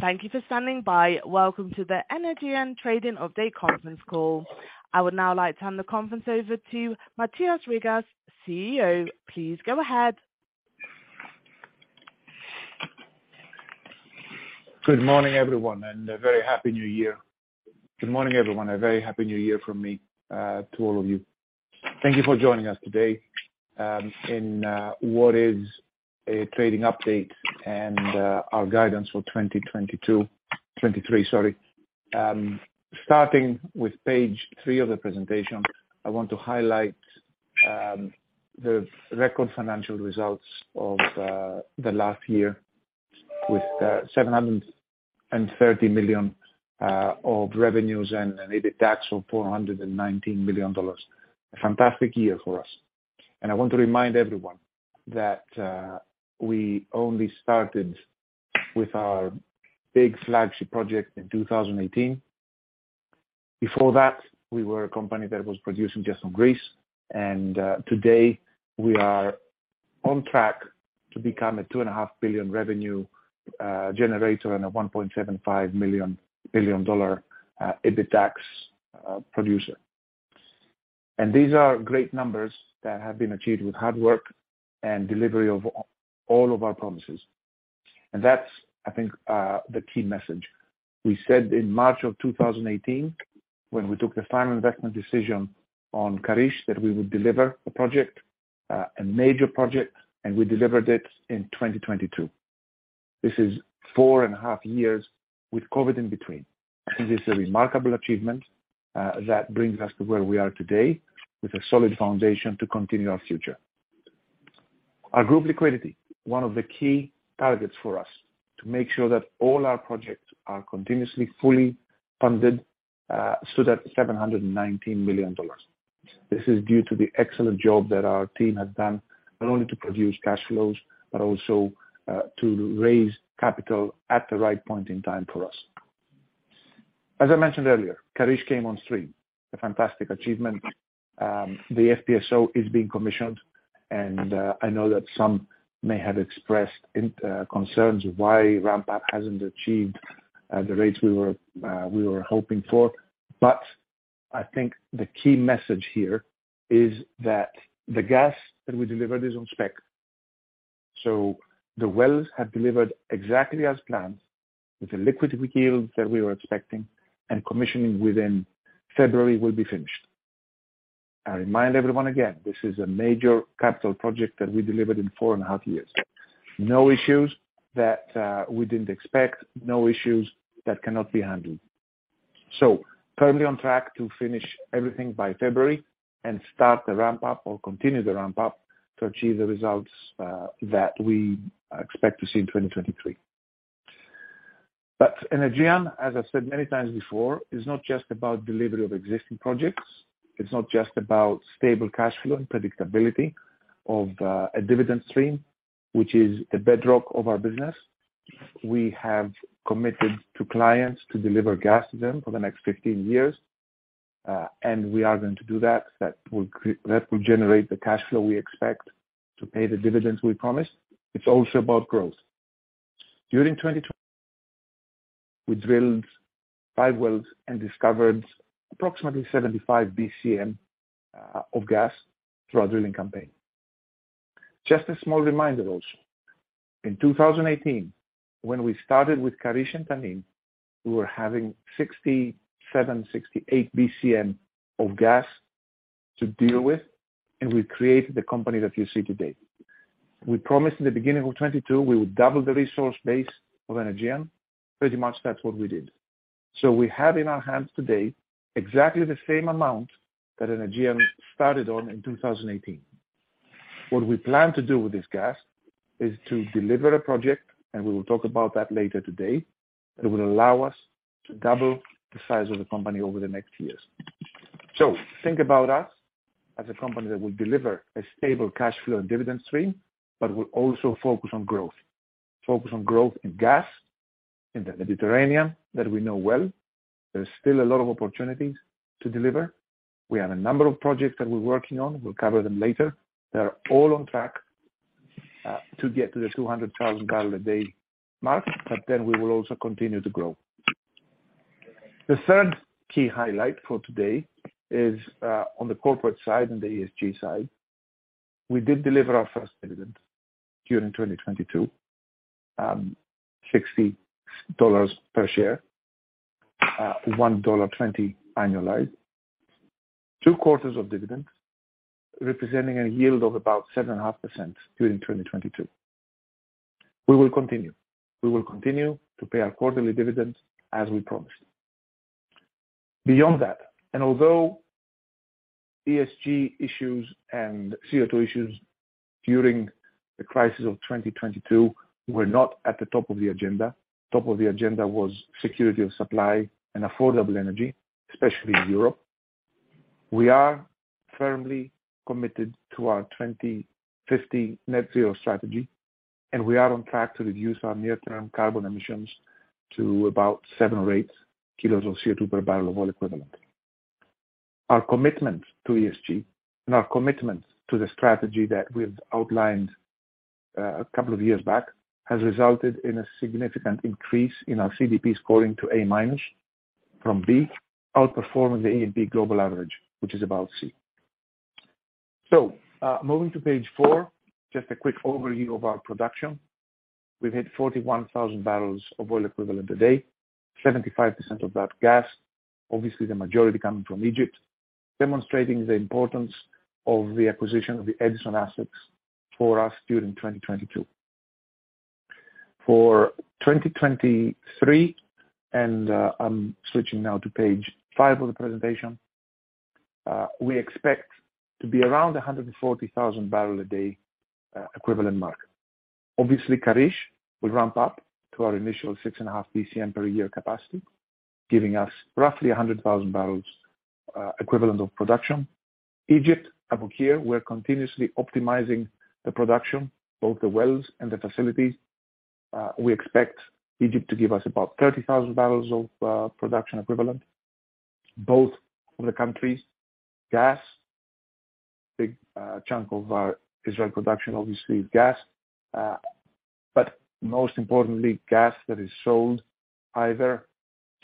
Thank you for standing by. Welcome to the Energean Trading of Day conference call. I would now like to hand the conference over to Mathios Rigas, CEO. Please go ahead. Good morning, everyone, a very Happy New Year. Good morning, everyone. A very Happy New Year from me to all of you. Thank you for joining us today in what is a trading update and our guidance for 2022. 2023, sorry. Starting with page 3 of the presentation, I want to highlight the record financial results of the last year with $730 million of revenues and EBITDA of $419 million. A fantastic year for us. I want to remind everyone that we only started with our big flagship project in 2018. Before that, we were a company that was producing just on Greece. Today we are on track to become a $2.5 billion revenue generator and a $1.75 billion EBITDA producer. These are great numbers that have been achieved with hard work and delivery of all of our promises. That's, I think, the key message. We said in March of 2018 when we took the final investment decision on Karish, that we would deliver a project, a major project, and we delivered it in 2022. This is 4.5 years with COVID in between. I think it's a remarkable achievement that brings us to where we are today with a solid foundation to continue our future. Our group liquidity, one of the key targets for us to make sure that all our projects are continuously, fully funded, stood at $719 million. This is due to the excellent job that our team has done, not only to produce cash flows, but also to raise capital at the right point in time for us. As I mentioned earlier, Karish came on stream, a fantastic achievement. The FPSO is being commissioned and I know that some may have expressed concerns why ramp up hasn't achieved the rates we were hoping for, but I think the key message here is that the gas that we delivered is on spec. The wells have delivered exactly as planned with the liquidity yield that we were expecting, and commissioning within February will be finished. I remind everyone again, this is a major capital project that we delivered in four and a half years. No issues that we didn't expect, no issues that cannot be handled. Currently on track to finish everything by February and start the ramp up or continue the ramp up to achieve the results that we expect to see in 2023. Energean, as I said many times before, is not just about delivery of existing projects. It's not just about stable cash flow and predictability of a dividend stream, which is the bedrock of our business. We have committed to clients to deliver gas to them for the next 15 years. We are going to do that. That will generate the cash flow we expect to pay the dividends we promised. It's also about growth. During 2020, we drilled 5 wells and discovered approximately 75 BCM of gas through our drilling campaign. Just a small reminder also, in 2018, when we started with Karish and Tanin, we were having 67, 68 BCM of gas to deal with, and we created the company that you see today. We promised in the beginning of 2022 we would double the resource base of Energean. Pretty much that's what we did. We have in our hands today exactly the same amount that Energean started on in 2018. What we plan to do with this gas is to deliver a project, and we will talk about that later today. It will allow us to double the size of the company over the next years. Think about us as a company that will deliver a stable cash flow and dividend stream, but will also focus on growth. Focus on growth in gas in the Mediterranean that we know well. There is still a lot of opportunities to deliver. We have a number of projects that we're working on. We'll cover them later. They're all on track to get to the 200,000 gallon a day mark, but then we will also continue to grow. The third key highlight for today is on the corporate side and the ESG side. We did deliver our first dividend during 2022, $60 per share. $1.20 annualized. Two quarters of dividends, representing a yield of about 7.5% during 2022. We will continue to pay our quarterly dividends as we promised. Although ESG issues and CO₂ issues during the crisis of 2022 were not at the top of the agenda. Top of the agenda was security of supply and affordable energy, especially in Europe. We are firmly committed to our 2050 net zero strategy, and we are on track to reduce our near term carbon emissions to about 7 or 8 kilos of CO₂ per barrel of oil equivalent. Our commitment to ESG and our commitment to the strategy that we've outlined a couple of years back has resulted in a significant increase in our CDP scoring to A- from B, outperforming the A and B global average, which is about C. Moving to page 4, just a quick overview of our production. We've hit 41,000 barrels of oil equivalent a day, 75% of that gas, obviously the majority coming from Egypt, demonstrating the importance of the acquisition of the Edison assets for us during 2022. For 2023, and I'm switching now to page 5 of the presentation, we expect to be around a 140,000 barrel a day equivalent mark. Obviously, Karish will ramp up to our initial 6.5 BCM per year capacity, giving us roughly 100,000 barrels equivalent of production. Egypt, Abu Qir, we're continuously optimizing the production, both the wells and the facilities. We expect Egypt to give us about 30,000 barrels of production equivalent, both from the countries. Gas, big chunk of our Israel production, obviously gas, but most importantly, gas that is sold either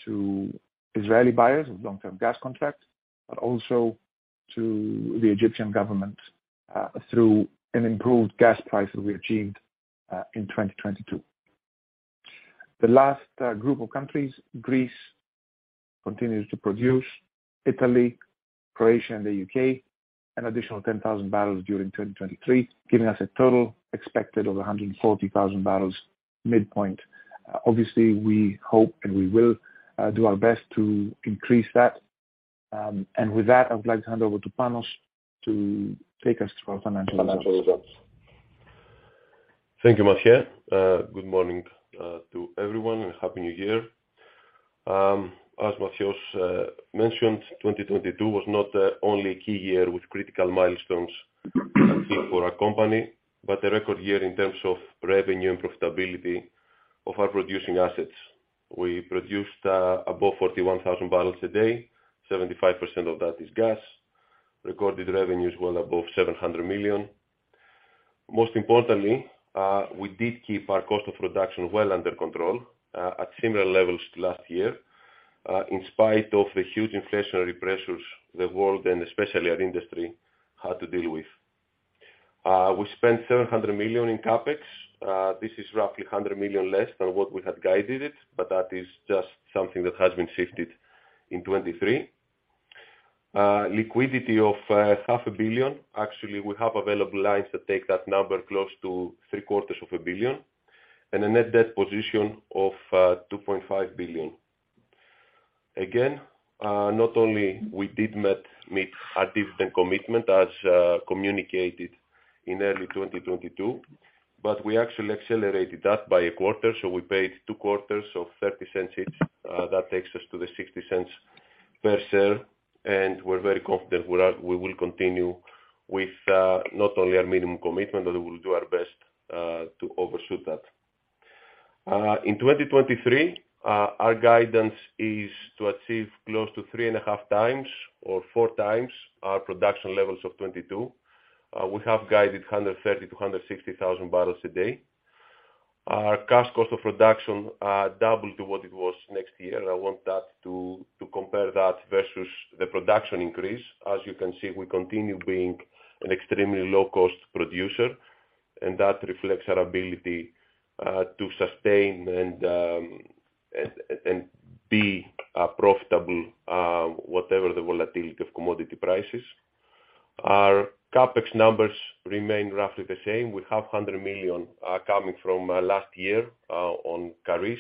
to Israeli buyers with long-term gas contracts, but also to the Egyptian government, through an improved gas price that we achieved in 2022. The last group of countries, Greece continues to produce. Italy, Croatia, and the UK, an additional 10,000 barrels during 2023, giving us a total expected of 140,000 barrels midpoint. Obviously, we hope and we will do our best to increase that. With that, I would like to hand over to Panos to take us through our financial results. Thank you, Mathios. Good morning to everyone, and Happy New Year. As Mathios mentioned, 2022 was not only a key year with critical milestones achieved for our company, but a record year in terms of revenue and profitability of our producing assets. We produced above 41,000 barrels a day. 75% of that is gas. Recorded revenues well above $700 million. Most importantly, we did keep our cost of production well under control at similar levels to last year, in spite of the huge inflationary pressures the world, and especially our industry, had to deal with. We spent $700 million in CapEx. This is roughly $100 million less than what we had guided it, but that is just something that has been shifted in 2023. Liquidity of half a billion. Actually, we have available lines that take that number close to three-quarters of a billion. A net debt position of $2.5 billion. Again, not only we did meet our dividend commitment as communicated in early 2022, but we actually accelerated that by a quarter. We paid 2 quarters, so $0.30 each. That takes us to the $0.60 per share. We're very confident with that, we will continue with not only our minimum commitment, but we will do our best to overshoot that. In 2023, our guidance is to achieve close to 3.5 times or 4 times our production levels of 2022. We have guided 130,000-160,000 barrels a day. Our cash cost of production, double to what it was next year. I want that to compare that versus the production increase. As you can see, we continue being an extremely low-cost producer, that reflects our ability to sustain and be profitable whatever the volatility of commodity prices. Our CapEx numbers remain roughly the same. We have $100 million coming from last year on Karish.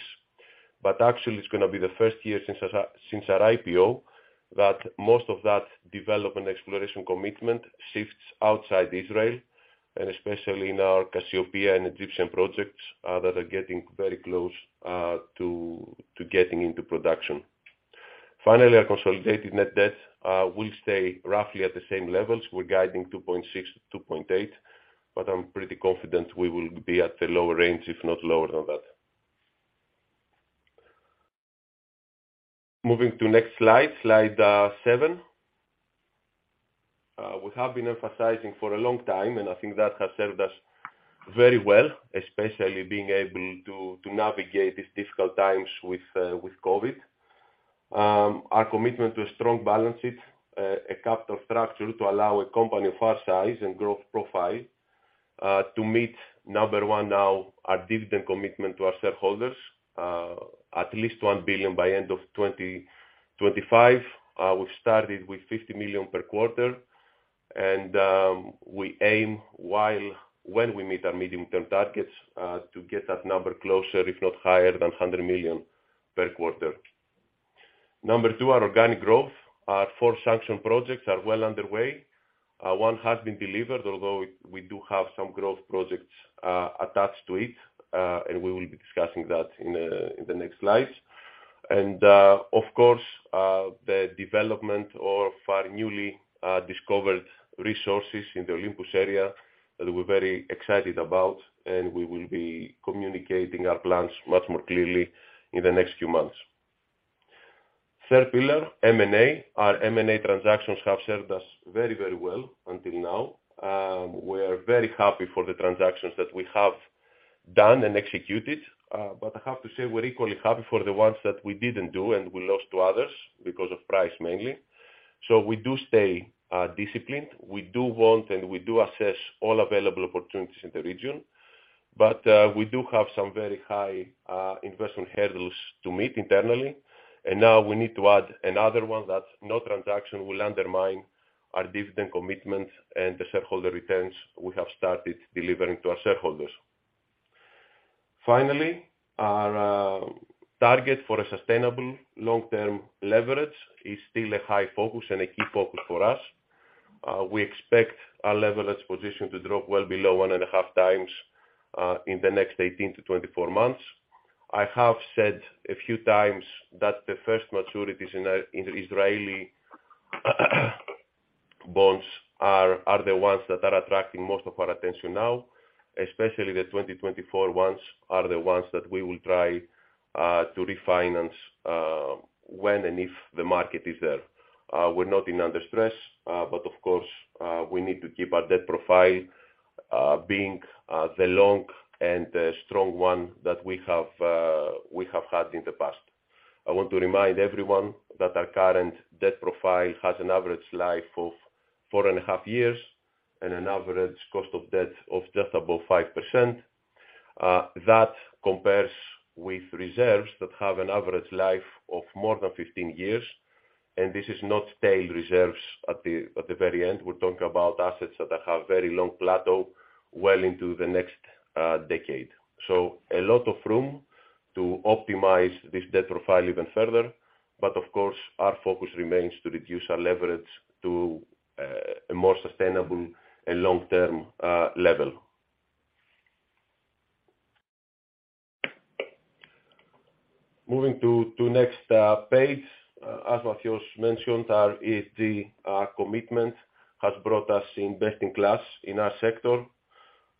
Actually, it's gonna be the first year since our IPO that most of that development exploration commitment shifts outside Israel, especially in our Cassiopeia and Egyptian projects that are getting very close to getting into production. Finally, our consolidated net debt will stay roughly at the same levels. We're guiding $2.6 billion-$2.8 billion. I'm pretty confident we will be at the lower range, if not lower than that. Moving to next slide 7. We have been emphasizing for a long time, and I think that has served us very well, especially being able to navigate these difficult times with COVID. Our commitment to strong balances, a capital structure to allow a company of our size and growth profile, to meet Number 1 now our dividend commitment to our shareholders, at least $1 billion by end of 2025. We started with $50 million per quarter, and we aim while when we meet our medium-term targets, to get that number closer, if not higher than $100 million per quarter. Number 2, our organic growth. Our four sanctioned projects are well underway. One has been delivered, although we do have some growth projects attached to it. We will be discussing that in the next slides. Of course, the development of our newly discovered resources in the Olympus area that we're very excited about. We will be communicating our plans much more clearly in the next few months. Third pillar, M&A. Our M&A transactions have served us very, very well until now. We are very happy for the transactions that we have done and executed. I have to say we're equally happy for the ones that we didn't do. We lost to others because of price mainly. We do stay disciplined. We do want and we do assess all available opportunities in the region. We do have some very high investment hurdles to meet internally. Now we need to add another one that no transaction will undermine our dividend commitments and the shareholder returns we have started delivering to our shareholders. Finally, our target for a sustainable long-term leverage is still a high focus and a key focus for us. We expect our leverage position to drop well below 1.5 times in the next 18-24 months. I have said a few times that the first maturities in Israeli bonds are the ones that are attracting most of our attention now, especially the 2024 ones are the ones that we will try to refinance when and if the market is there. We're not in under stress, but of course, we need to keep our debt profile being the long and the strong one that we have, we have had in the past. I want to remind everyone that our current debt profile has an average life of four and a half years and an average cost of debt of just above 5%. That compares with reserves that have an average life of more than 15 years, and this is not tail reserves at the very end. We're talking about assets that have very long plateau well into the next decade. A lot of room to optimize this debt profile even further, but of course, our focus remains to reduce our leverage to a more sustainable and long-term level. Moving to next page, as Mathios mentioned, our ESG commitment has brought us in best in class in our sector,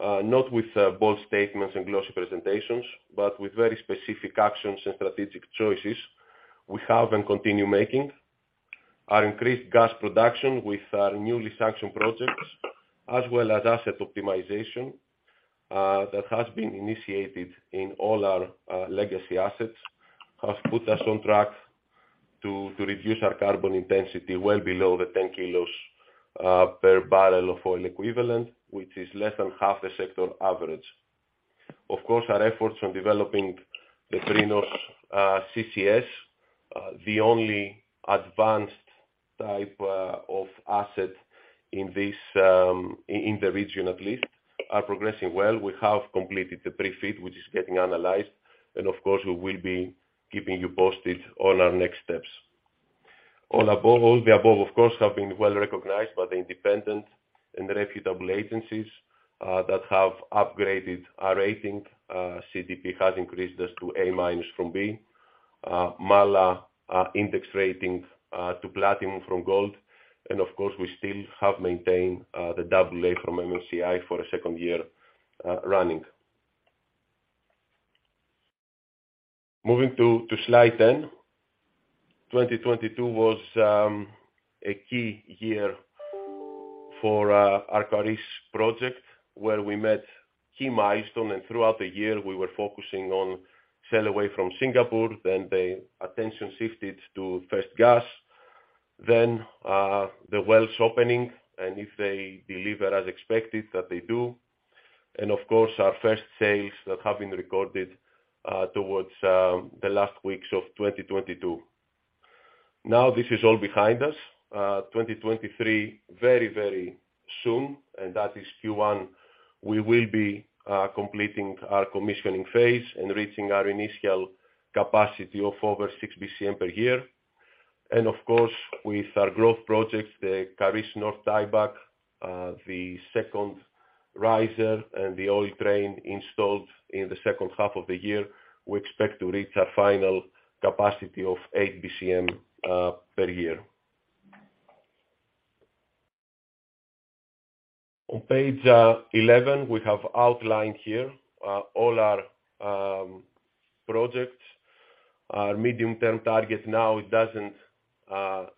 not with bold statements and glossy presentations, but with very specific actions and strategic choices we have and continue making. Our increased gas production with our newly sanctioned projects, as well as asset optimization, that has been initiated in all our legacy assets, have put us on track to reduce our carbon intensity well below the 10 kilos per barrel of oil equivalent, which is less than half the sector average. Of course, our efforts on developing the Prinos CCS, the only advanced type of asset in this in the region at least, are progressing well. We have completed the pre-FEED, which is getting analyzed, of course, we will be keeping you posted on our next steps. All the above, of course, have been well-recognized by the independent and reputable agencies that have upgraded our rating. CDP has increased us to A minus from B. Maala index rating to platinum from gold. Of course, we still have maintained the double A from MSCI for a second year running. Moving to slide 10. 2022 was a key year for our Karish project, where we met key milestone, and throughout the year, we were focusing on sail away from Singapore, then the attention shifted to first gas, then the wells opening, and if they deliver as expected that they do. Of course, our first sales that have been recorded towards the last weeks of 2022. Now, this is all behind us. 2023, very, very soon, and that is Q1, we will be completing our commissioning phase and reaching our initial capacity of over 6 BCM per year. Of course, with our growth projects, the Karish North tieback, the second riser and the oil train installed in the second half of the year, we expect to reach a final capacity of 8 BCM per year. On page 11, we have outlined here all our projects. Our medium-term target now doesn't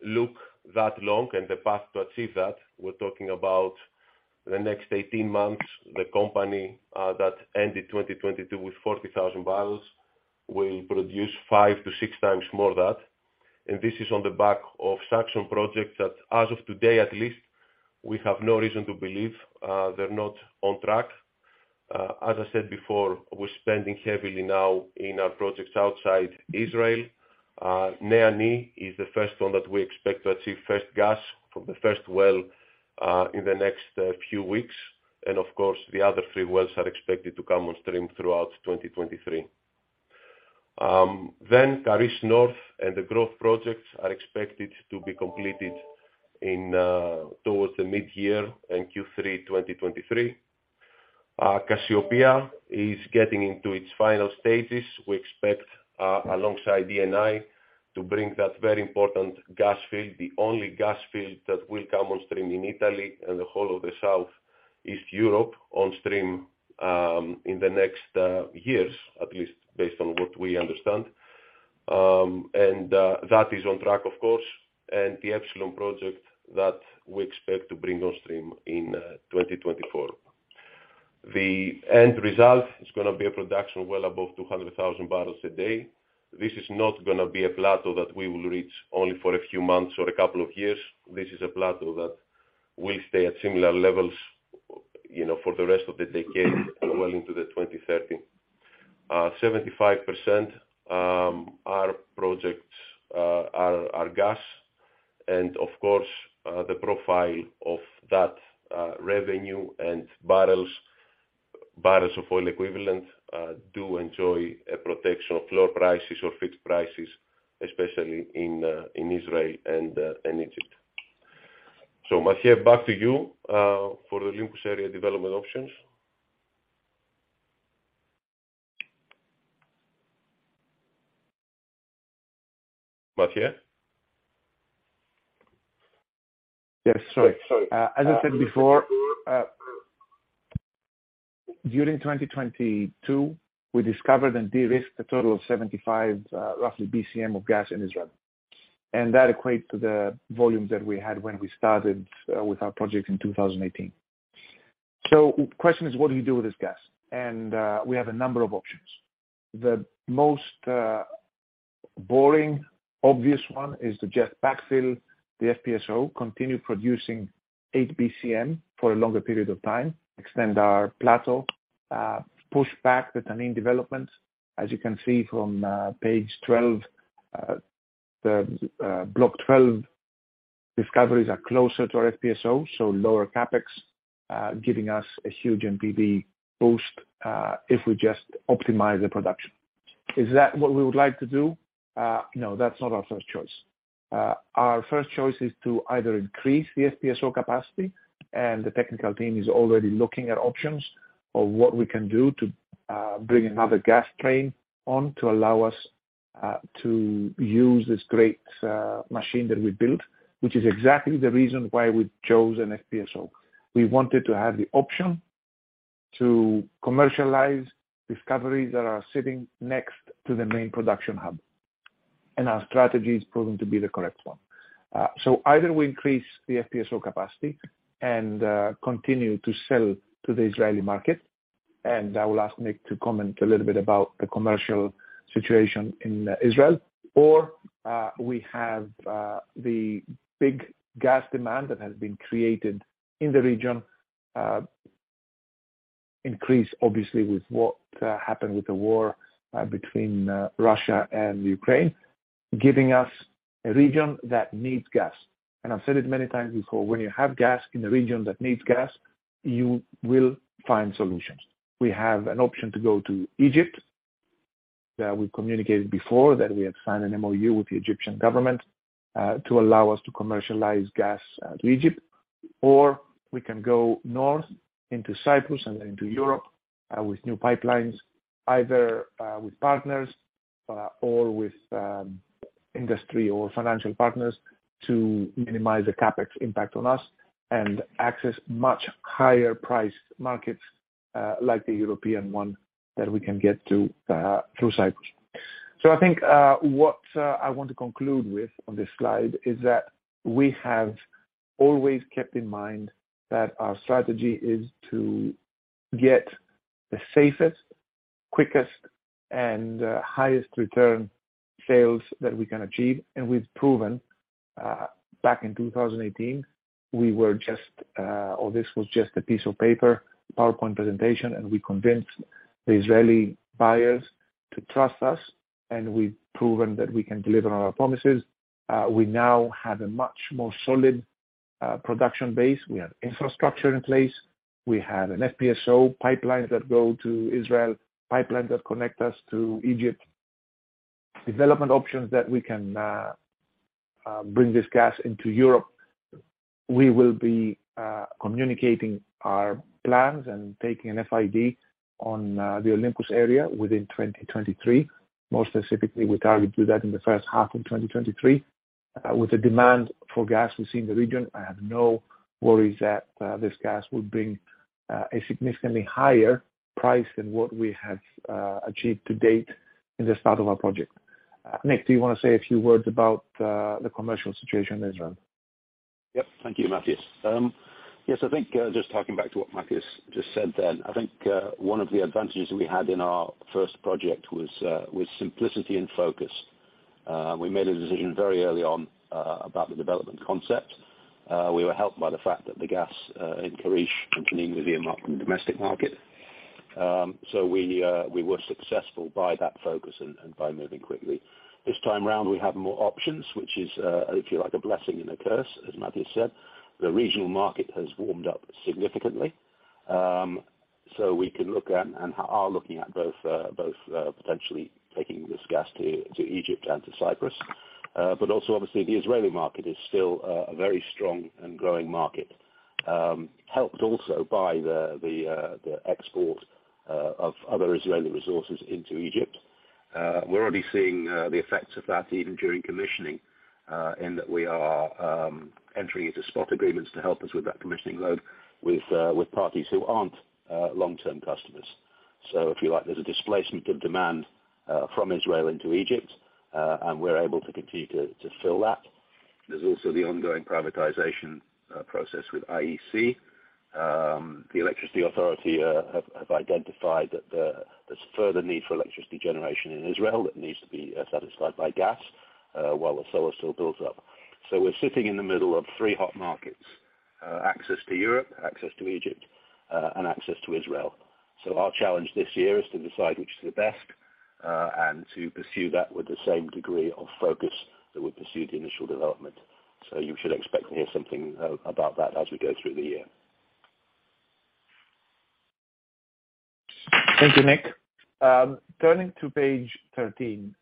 look that long and the path to achieve that, we're talking about the next 18 months. The company that ended 2022 with 40,000 barrels will produce five to six times more that. This is on the back of suction projects that as of today, at least, we have no reason to believe they're not on track. As I said before, we're spending heavily now in our projects outside Israel. NEA/NI is the first one that we expect to achieve first gas from the first well in the next few weeks. Of course, the other 3 wells are expected to come on stream throughout 2023. Karish North and the growth projects are expected to be completed in towards the mid-year in Q3 2023. Cassiopeia is getting into its final stages. We expect alongside DNI to bring that very important gas field, the only gas field that will come on stream in Italy and the whole of Southeast Europe on stream, in the next years, at least based on what we understand. That is on track of course, and the Epsilon project that we expect to bring on stream in 2024. The end result is gonna be a production well above 200,000 barrels a day. This is not gonna be a plateau that we will reach only for a few months or a couple of years. This is a plateau that will stay at similar levels, for the rest of the decade and well into the 2030. 75% our projects are gas, and of course, the profile of that revenue and barrels of oil equivalent do enjoy a protection of floor prices or fixed prices, especially in Israel and Egypt. Mathios, back to you for the Olympus area development options. Mathios? Yes, sorry. Sorry. As I said before, during 2022, we discovered and de-risked a total of 75, roughly BCM of gas in Israel. That equates to the volume that we had when we started with our project in 2018. Question is, what do you do with this gas? We have a number of options. The most boring obvious one is to just backfill the FPSO, continue producing 8 BCM for a longer period of time, extend our plateau, push back the Tanin development. As you can see from page 12, the block 12 discoveries are closer to our FPSO, so lower CapEx, giving us a huge NPV boost, if we just optimize the production. Is that what we would like to do? No, that's not our first choice. Our first choice is to either increase the FPSO capacity. The technical team is already looking at options of what we can do to bring another gas train on to allow us to use this great machine that we built, which is exactly the reason why we chose an FPSO. We wanted to have the option to commercialize discoveries that are sitting next to the main production hub. Our strategy is proven to be the correct one. Either we increase the FPSO capacity and continue to sell to the Israeli market, and I will ask Nick to comment a little bit about the commercial situation in Israel, or we have the big gas demand that has been created in the region, increase obviously with what happened with the war between Russia and Ukraine, giving us a region that needs gas. I've said it many times before, when you have gas in a region that needs gas, you will find solutions. We have an option to go to Egypt, that we communicated before, that we have signed an MOU with the Egyptian government, to allow us to commercialize gas, to Egypt, or we can go north into Cyprus and into Europe, with new pipelines, either, with partners, or with industry or financial partners to minimize the CapEx impact on us and access much higher priced markets, like the European one that we can get to, through Cyprus. I think, what I want to conclude with on this slide is that we have always kept in mind that our strategy is to get the safest, quickest, and highest return sales that we can achieve. We've proven, back in 2018, we were just a piece of paper, PowerPoint presentation, and we convinced the Israeli buyers to trust us, and we've proven that we can deliver on our promises. We now have a much more solid production base. We have infrastructure in place. We have an FPSO, pipelines that go to Israel, pipelines that connect us to Egypt, development options that we can bring this gas into Europe. We will be communicating our plans and taking an FID on the Olympus area within 2023. More specifically, we target to do that in the first half of 2023. With the demand for gas we see in the region, I have no worries that this gas will bring a significantly higher price than what we have achieved to date in the start of our project. Nick, do you wanna say a few words about the commercial situation in Israel? Yep. Thank you, Mathios. Yes, I think, just harking back to what Mathios just said then, I think, one of the advantages we had in our first project was simplicity and focus. We made a decision very early on about the development concept. We were helped by the fact that the gas in Karish continuing with the domestic market. We were successful by that focus and by moving quickly. This time round, we have more options, which is, if you like, a blessing and a curse, as Mathios said. The regional market has warmed up significantly. We can look at and are looking at both potentially taking this gas to Egypt and to Cyprus. Also obviously the Israeli market is still a very strong and growing market, helped also by the export of other Israeli resources into Egypt. We're already seeing the effects of that even during commissioning, in that we are entering into spot agreements to help us with that commissioning load with parties who aren't long-term customers. If you like, there's a displacement of demand from Israel into Egypt. We're able to continue to fill that. There's also the ongoing privatization process with IEC. The electricity authority have identified that there's further need for electricity generation in Israel that needs to be satisfied by gas while the solar still builds up. We're sitting in the middle of three hot markets. Access to Europe, access to Egypt, and access to Israel. Our challenge this year is to decide which is the best and to pursue that with the same degree of focus that we pursued the initial development. You should expect to hear something about that as we go through the year. Thank you, Nick. Turning to page 13,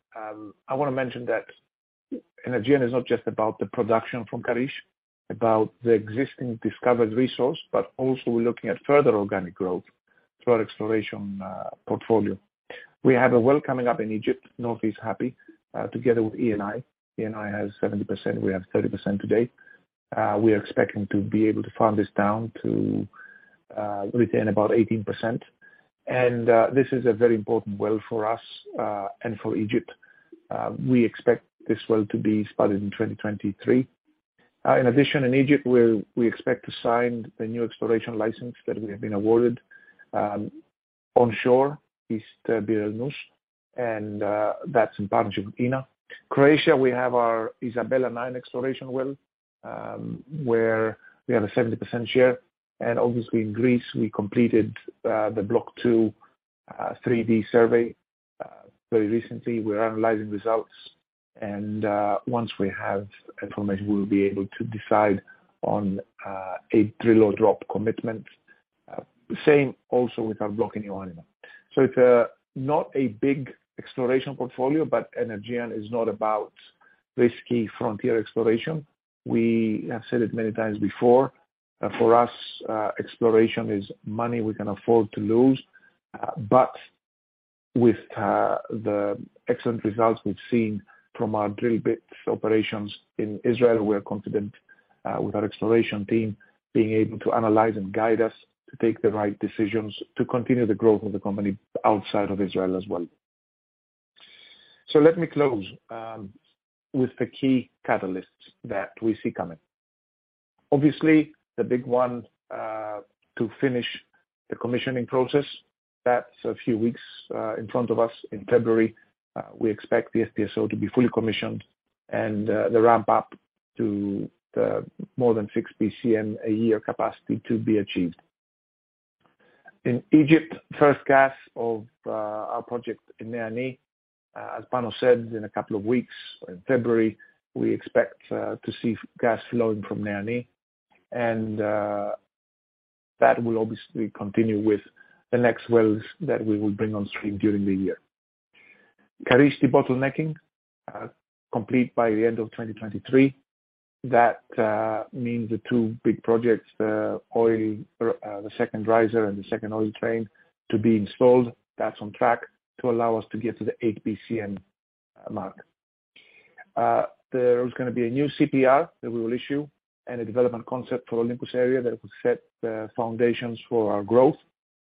I want to mention that Energean is not just about the production from Karish, about the existing discovered resource, but also we're looking at further organic growth through our exploration portfolio. We have a well coming up in Egypt, Northeast Happy, together with Eni. Eni has 70%, we have 30% today. We are expecting to be able to farm this down to retain about 18%. This is a very important well for us and for Egypt. We expect this well to be spudded in 2023. In addition, in Egypt, we expect to sign the new exploration license that we have been awarded, onshore East Bir El Nash, and that's in partnership with Eni. Croatia, we have our Isabella 9 exploration well, where we have a 70% share. Obviously in Greece, we completed the Block 2 3D survey very recently. We're analyzing results. Once we have information, we'll be able to decide on a drill or drop commitment. Same also with our block in Ioannina. It's not a big exploration portfolio, but Energean is not about risky frontier exploration. We have said it many times before. For us, exploration is money we can afford to lose. With the excellent results we've seen from our drill bits operations in Israel, we are confident with our exploration team being able to analyze and guide us to take the right decisions to continue the growth of the company outside of Israel as well. Let me close with the key catalysts that we see coming. Obviously, the big one, to finish the commissioning process. That's a few weeks in front of us in February. We expect the FPSO to be fully commissioned and the ramp up to the more than 6 BCM a year capacity to be achieved. In Egypt, first gas of our project in Nane. As Panos said, in a couple of weeks, in February, we expect to see gas flowing from Nane. That will obviously continue with the next wells that we will bring on stream during the year. Karish debottlenecking complete by the end of 2023. That means the two big projects, the oil, the second riser and the second oil train to be installed. That's on track to allow us to get to the 8 BCM mark. There is gonna be a new CPR that we will issue and a development concept for Olympus area that will set the foundations for our growth.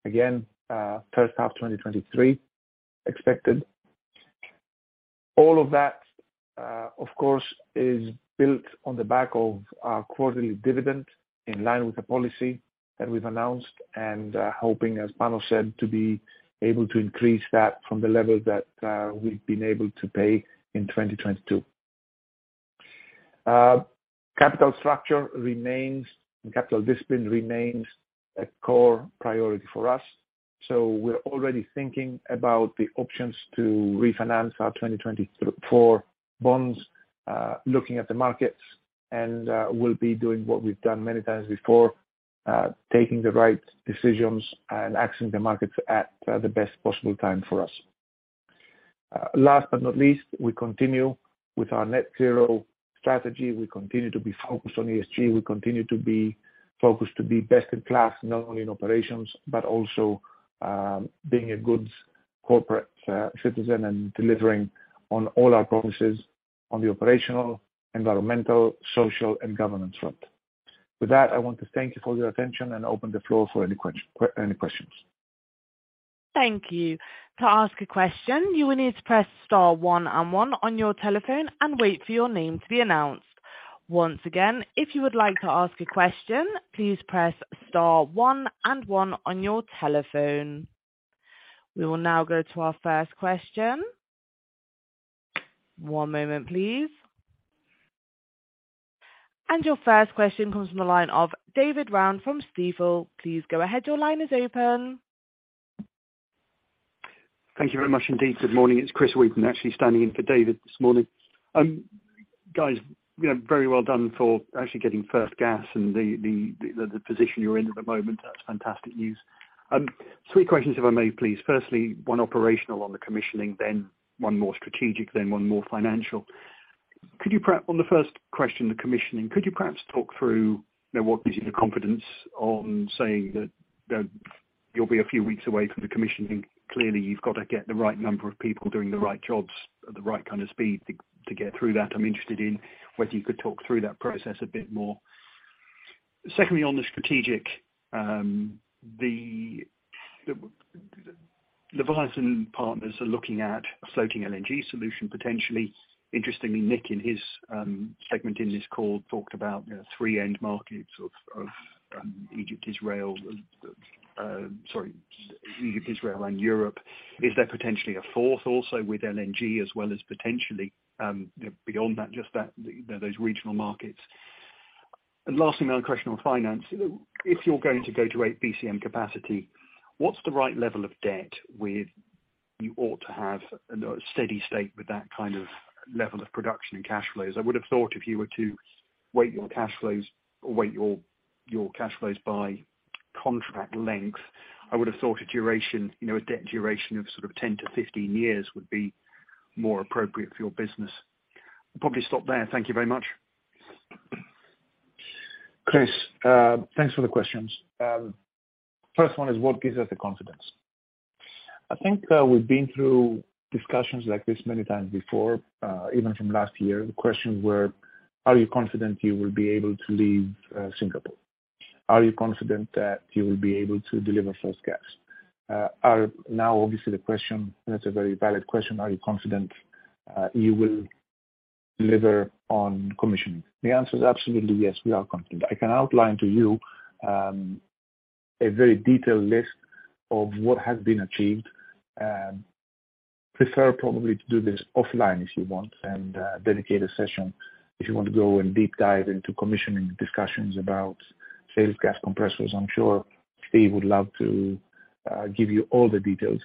Again, first half 2023 expected. All of that, of course, is built on the back of our quarterly dividend in line with the policy that we've announced and, hoping, as Panos said, to be able to increase that from the level that we've been able to pay in 2022. Capital structure remains and capital discipline remains a core priority for us. We're already thinking about the options to refinance our 2024 bonds, looking at the markets, and we'll be doing what we've done many times before, taking the right decisions and accessing the markets at the best possible time for us. Last but not least, we continue with our net zero strategy. We continue to be focused on ESG. We continue to be focused to be best in class, not only in operations, but also, being a good corporate citizen and delivering on all our promises on the operational, environmental, social, and governance front. With that, I want to thank you for your attention and open the floor for any questions. Thank you. To ask a question, you will need to press * 1 and 1 on your telephone and wait for your name to be announced. Once again, if you would like to ask a question, please press * 1 and 1 on your telephone. We will now go to our first question. One moment, please. Your first question comes from the line of David Round from Stifel. Please go ahead. Your line is open. Thank you very much indeed. Good morning. It's Chris Wheaton actually standing in for David this morning. Guys, very well done for actually getting first gas and the, the position you're in at the moment. That's fantastic news. Three questions if I may, please. Firstly, one operational on the commissioning, then one more strategic, then one more financial. Could you on the first question, the commissioning, could you perhaps talk through, what gives you the confidence on saying that you'll be a few weeks away from the commissioning? Clearly, you've got to get the right number of people doing the right jobs at the right kind of speed to get through that. I'm interested in whether you could talk through that process a bit more. Secondly, on the strategic, the the Leviathan partners are looking at a floating LNG solution, potentially. Interestingly, Nick, in his segment in this call, talked about the three end markets of Egypt, Israel, sorry, Egypt, Israel and Europe. Is there potentially a fourth also with LNG as well as potentially, beyond that, just that, those regional markets? Lastly, my own question on finance. If you're going to go to eight BCM capacity, what's the right level of debt with you ought to have a steady state with that kind of level of production and cash flows? I would have thought if you were to weight your cash flows or weight your cash flows by contract length, I would have thought a duration, a debt duration of sort of 10-15 years would be more appropriate for your business. I'll probably stop there. Thank you very much. Chris, thanks for the questions. First one is what gives us the confidence? I think that we've been through discussions like this many times before, even from last year, the questions were, are you confident you will be able to leave Singapore? Are you confident that you will be able to deliver first gas? Now, obviously, the question, that's a very valid question. Are you confident you will deliver on commissioning? The answer is absolutely yes. We are confident. I can outline to you, a very detailed list of what has been achieved. Prefer probably to do this offline if you want and dedicate a session if you want to go and deep dive into commissioning discussions about sales gas compressors. I'm sure Steve would love to give you all the details.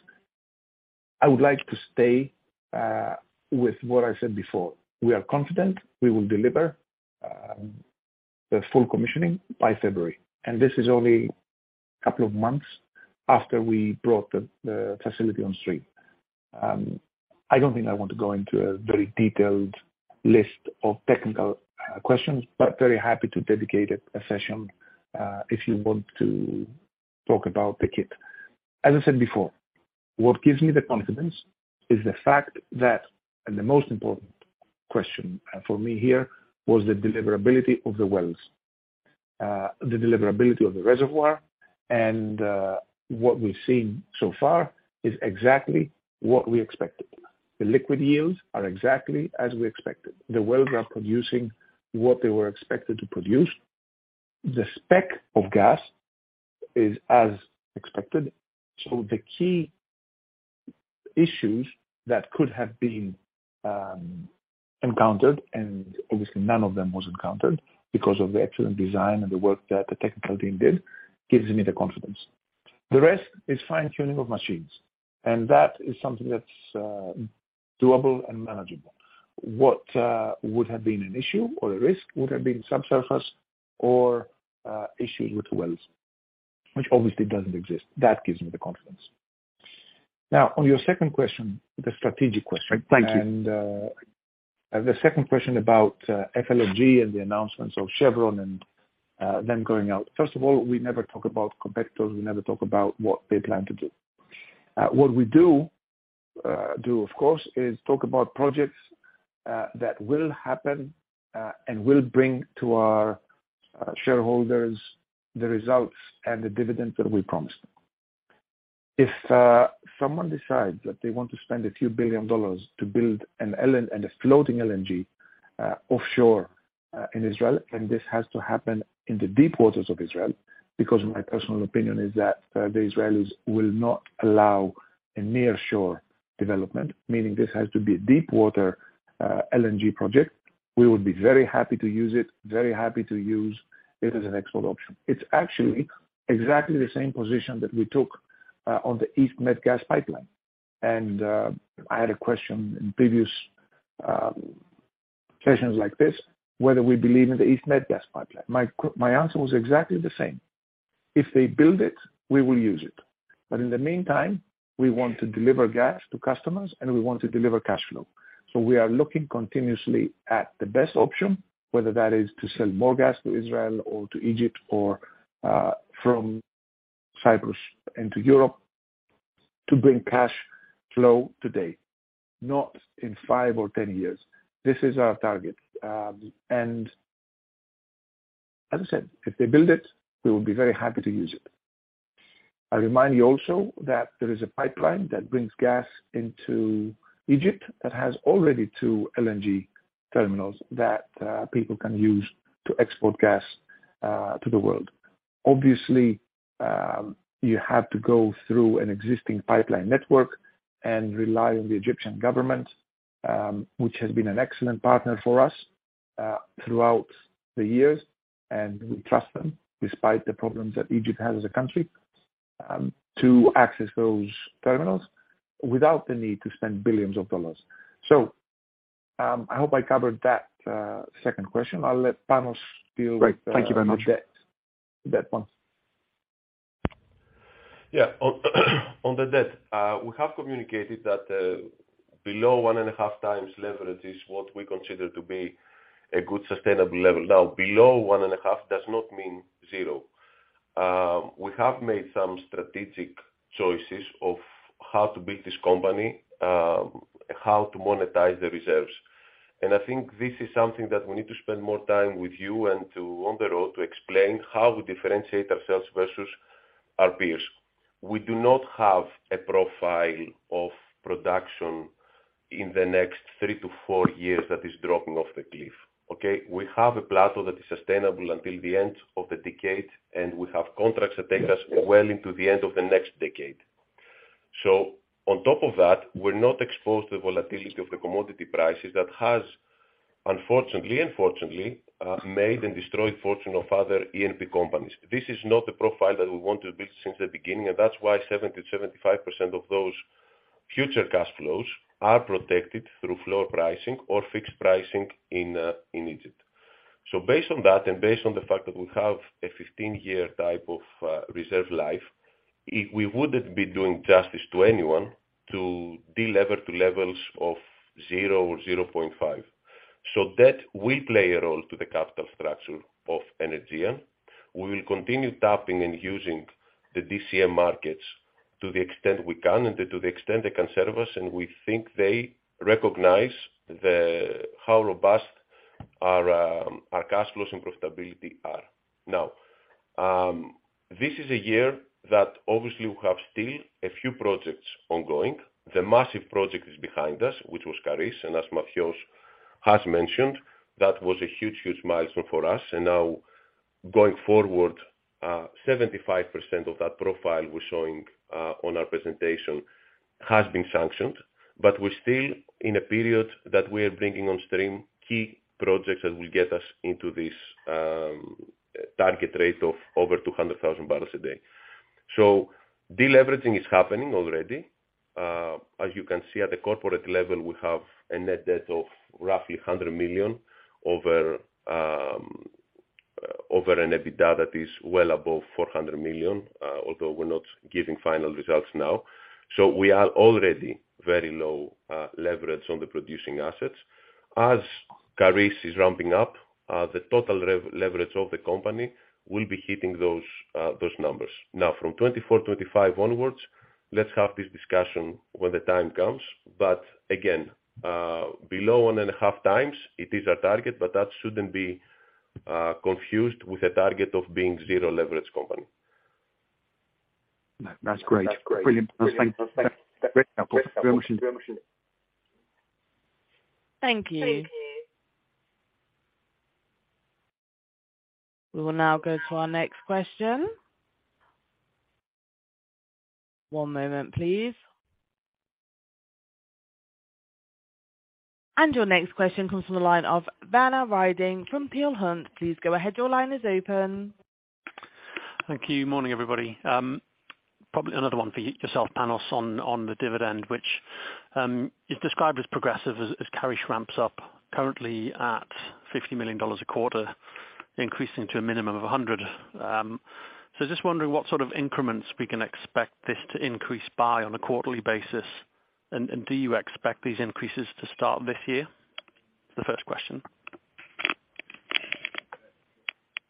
I would like to stay with what I said before. We are confident we will deliver the full commissioning by February. This is only a couple of months after we brought the facility on stream. I don't think I want to go into a very detailed list of technical questions, but very happy to dedicate a session if you want to talk about the kit. As I said before, what gives me the confidence is the fact that, and the most important question for me here, was the deliverability of the wells, the deliverability of the reservoir, and what we've seen so far is exactly what we expected. The liquid yields are exactly as we expected. The wells are producing what they were expected to produce. The spec of gas is as expected. The key issues that could have been encountered, and obviously none of them was encountered because of the excellent design and the work that the technical team did, gives me the confidence. The rest is fine-tuning of machines, and that is something that's doable and manageable. What would have been an issue or a risk would have been subsurface or issue with the wells, which obviously doesn't exist. That gives me the confidence. On your second question, the strategic question. Thank you. The second question about FLNG and the announcements of Chevron and them going out. First of all, we never talk about competitors. We never talk about what they plan to do. What we do, of course, is talk about projects that will happen and will bring to our shareholders the results and the dividends that we promised. If someone decides that they want to spend a few billion dollars to build a floating LNG offshore in Israel, and this has to happen in the deep waters of Israel, because my personal opinion is that the Israelis will not allow a nearshore development, meaning this has to be a deep water LNG project, we would be very happy to use it, very happy to use it as an export option. It's actually exactly the same position that we took on the EastMed gas pipeline. I had a question in previous sessions like this, whether we believe in the EastMed gas pipeline. My answer was exactly the same. If they build it, we will use it. In the meantime, we want to deliver gas to customers, and we want to deliver cash flow. We are looking continuously at the best option, whether that is to sell more gas to Israel or to Egypt or from Cyprus into Europe to bring cash flow today, not in 5 or 10 years. This is our target. As I said, if they build it, we will be very happy to use it. I remind you also that there is a pipeline that brings gas into Egypt that has already two LNG terminals that people can use to export gas to the world. Obviously, you have to go through an existing pipeline network and rely on the Egyptian government, which has been an excellent partner for us throughout the years, and we trust them despite the problems that Egypt has as a country, to access those terminals without the need to spend billions of dollars. I hope I covered that second question. I'll let Panos. Great. Thank you very much. the debt, the debt one. Yeah. On, on the debt, we have communicated that below 1.5 times leverage is what we consider to be a good sustainable level. Now, below 1.5 does not mean zero. We have made some strategic choices of how to build this company, how to monetize the reserves. I think this is something that we need to spend more time with you and to, on the road to explain how we differentiate ourselves versus our peers. We do not have a profile of production in the next 3-4 years that is dropping off the cliff. Okay? We have a plateau that is sustainable until the end of the decade, and we have contracts that take us well into the end of the next decade. On top of that, we're not exposed to the volatility of the commodity prices that has, unfortunately and fortunately, made and destroyed fortune of other E&P companies. This is not the profile that we want to build since the beginning, and that's why 70%-75% of those future cash flows are protected through floor pricing or fixed pricing in Egypt. Based on that, and based on the fact that we have a 15-year type of reserve life, we wouldn't be doing justice to anyone to delever to levels of 0 or 0.5. That will play a role to the capital structure of Energean. We will continue tapping and using the DCM markets to the extent we can and to the extent they can serve us, and we think they recognize the. how robust our cash flows and profitability are. This is a year that obviously we have still a few projects ongoing. The massive project is behind us, which was Karish, as Mathios has mentioned, that was a huge milestone for us. Going forward, 75% of that profile we're showing on our presentation has been sanctioned, but we're still in a period that we are bringing on stream key projects that will get us into this target rate of over 200,000 barrels a day. Deleveraging is happening already. As you can see at the corporate level, we have a net debt of roughly $100 million over an EBITDA that is well above $400 million, although we're not giving final results now. We are already very low leverage on the producing assets. As Karish is ramping up, the total leverage of the company will be hitting those numbers. From 2024, 2025 onwards, let's have this discussion when the time comes. Again, below 1.5 times it is our target, but that shouldn't be confused with a target of being zero leverage company. No, that's great. Brilliant. Thank you. Great help. Very much. Thank you. We will now go to our next question. One moment, please. Your next question comes from the line of Werner Riding from Peel Hunt. Please go ahead. Your line is open. Thank you. Morning, everybody. Probably another one for yourself, Panos, on the dividend, which is described as progressive as Karish ramps up currently at $50 million a quarter, increasing to a minimum of $100. Just wondering what sort of increments we can expect this to increase by on a quarterly basis, and do you expect these increases to start this year? The first question.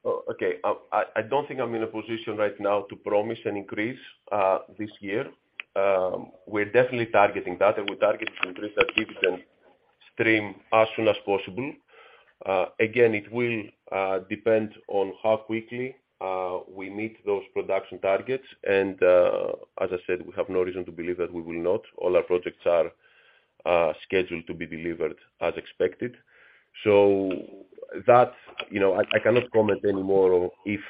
Okay. I don't think I'm in a position right now to promise an increase this year. We're definitely targeting that, and we target to increase that dividend stream as soon as possible. Again, it will depend on how quickly we meet those production targets, and as I said, we have no reason to believe that we will not. All our projects are scheduled to be delivered as expected. That's, I cannot comment anymore if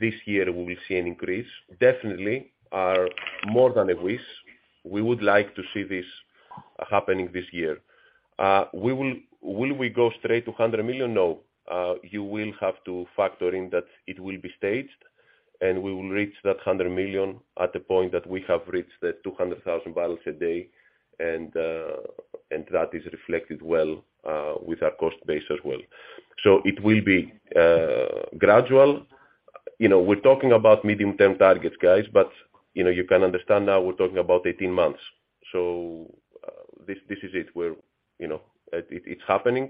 this year we will see an increase. Definitely our more than a wish, we would like to see this happening this year. Will we go straight to $100 million? No. You will have to factor in that it will be staged, and we will reach that $100 million at the point that we have reached the 200,000 barrels a day, and that is reflected well with our cost base as well. It will be gradual. We're talking about medium-term targets, guys, but, you can understand now we're talking about 18 months. This is it, it's happening,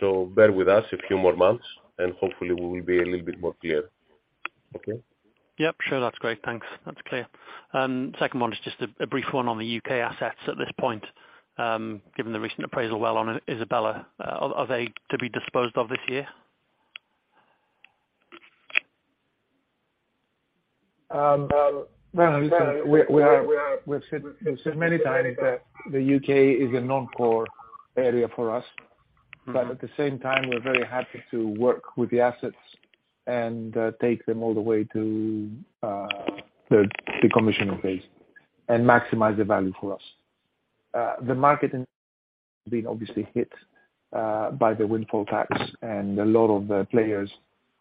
so bear with us a few more months, and hopefully we will be a little bit more clear. Okay? Yep, sure. That's great. Thanks. That's clear. Second one is just a brief one on the UK assets at this point, given the recent appraisal well on Isabella. Are they to be disposed of this year? Vanna, listen, we are, we've said many times that the U.K. is a non-core area for us. At the same time, we're very happy to work with the assets and take them all the way to the commissioning phase and maximize the value for us. The market in been obviously hit by the windfall tax, and a lot of the players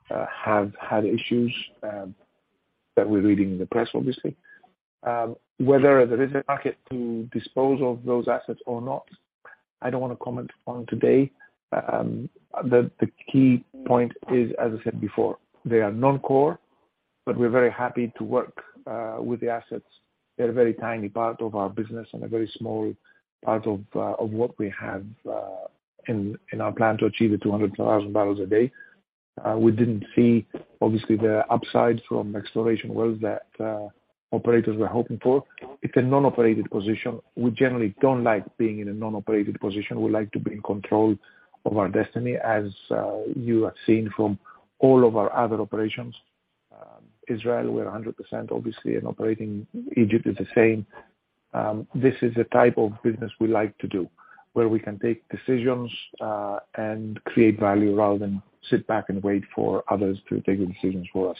have had issues that we're reading in the press, obviously. Whether there is a market to dispose of those assets or not I don't wanna comment on today. The key point is, as I said before, they are non-core, but we're very happy to work with the assets. They're a very tiny part of our business and a very small part of what we have in our plan to achieve the 200,000 barrels a day. We didn't see obviously the upside from exploration wells that operators were hoping for. It's a non-operated position. We generally don't like being in a non-operated position. We like to be in control of our destiny, as you have seen from all of our other operations. Israel, we're 100% obviously and operating. Egypt is the same. This is the type of business we like to do, where we can take decisions and create value rather than sit back and wait for others to take the decisions for us.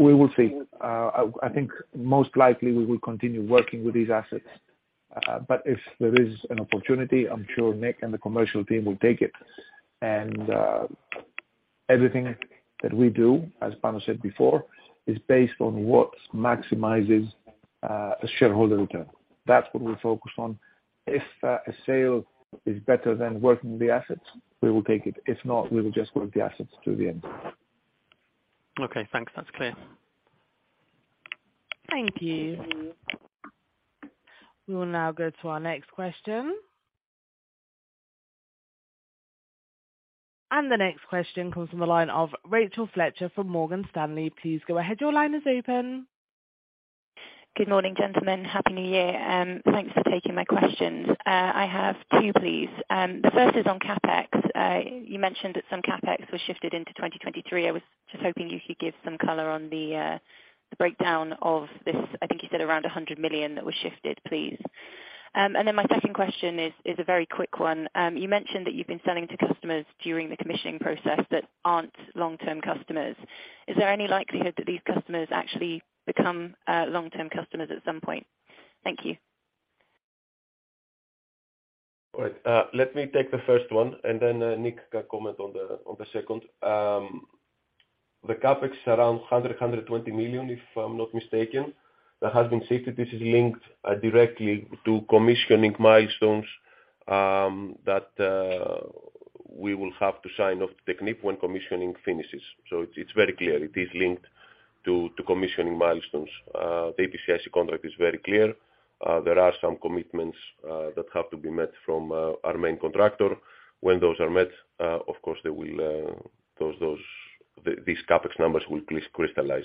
We will see. I think most likely we will continue working with these assets. If there is an opportunity, I'm sure Nick and the commercial team will take it. Everything that we do, as Panos said before, is based on what maximizes shareholder return. That's what we're focused on. If a sale is better than working with the assets, we will take it. If not, we will just work the assets through the end. Okay, thanks. That's clear. Thank you. We will now go to our next question. The next question comes from the line of Rachel Fletcher from Morgan Stanley. Please go ahead. Your line is open. Good morning, gentlemen. Happy New Year. Thanks for taking my questions. I have two, please. The first is on CapEx. You mentioned that some CapEx was shifted into 2023. I was just hoping you could give some color on the breakdown of this, I think you said around $100 million that was shifted, please. My second question is a very quick one. You mentioned that you've been selling to customers during the commissioning process that aren't long-term customers. Is there any likelihood that these customers actually become long-term customers at some point? Thank you. All right. Let me take the first one, then Nick can comment on the, on the second. The CapEx around $120 million, if I'm not mistaken. There has been safety issues linked directly to commissioning milestones that we will have to sign off technique when commissioning finishes. It's very clear it is linked to commissioning milestones. The EPCIC contract is very clear. There are some commitments that have to be met from our main contractor. When those are met, of course they will, those these CapEx numbers will crystallize.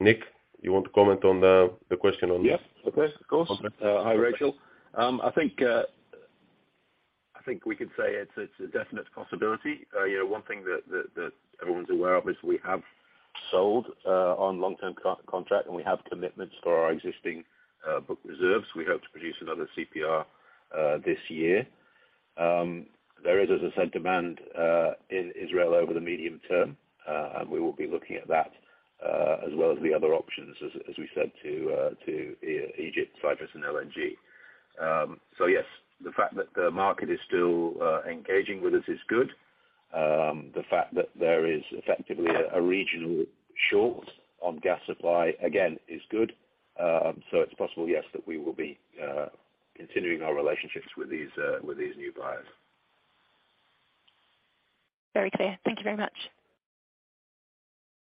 Nick, you want to comment on the question? Yes. Okay. Of course. Okay. Hi, Rachel. I think we can say it's a definite possibility. One thing that everyone's aware of is we have sold on long-term contract, and we have commitments for our existing book reserves. We hope to produce another CPR this year. There is, as I said, demand in Israel over the medium term, and we will be looking at that as well as the other options, as we said to Egypt, Cyprus, and LNG. Yes, the fact that the market is still engaging with us is good. The fact that there is effectively a regional short on gas supply, again, is good. It's possible, yes, that we will be continuing our relationships with these new buyers. Very clear. Thank you very much.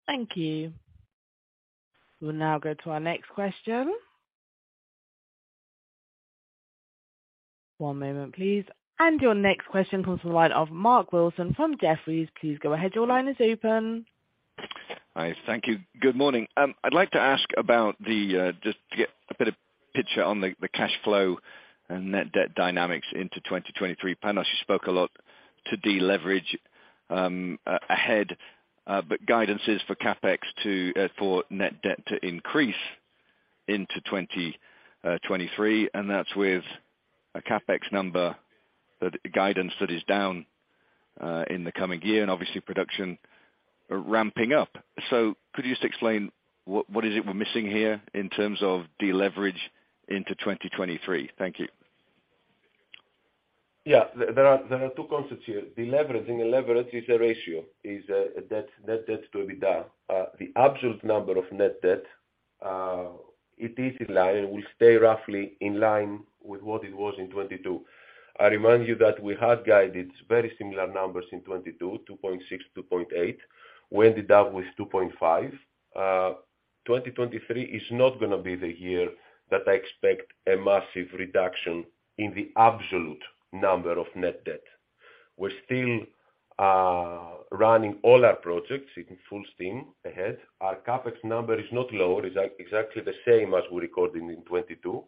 Thank you. We'll now go to our next question. One moment please. Your next question comes from the line of Mark Wilson from Jefferies. Please go ahead. Your line is open. Hi. Thank you. Good morning. I'd like to ask about the just to get a bit of picture on the cash flow and net debt dynamics into 2023. Panos, you spoke a lot to deleverage, guidance is for CapEx to for net debt to increase into 2023, and that's with a CapEx number that guidance that is down in the coming year and obviously production ramping up. Could you just explain what is it we're missing here in terms of deleverage into 2023? Thank you. Yeah. There are two concepts here. Deleverage and leverage is a ratio, is a debt, net debt to EBITDA. The absolute number of net debt, it is in line and will stay roughly in line with what it was in 2022. I remind you that we had guided very similar numbers in 2022, 2.6, 2.8. We ended up with 2.5. 2023 is not going to be the year that I expect a massive reduction in the absolute number of net debt. We're still running all our projects in full steam ahead. Our CapEx number is not lower. It's exactly the same as we recorded in 2022.